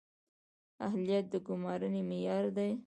اهلیت د ګمارنې معیار دی